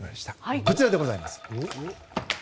こちらでございます。